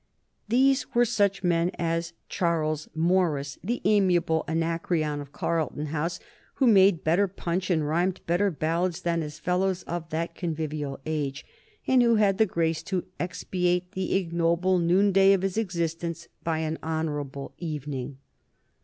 These were such men as Charles Morris, the amiable Anacreon of Carlton House, who made better punch and rhymed better ballads than his fellows of that convivial age, and who had the grace to expiate the ignoble noonday of his existence by an honorable evening.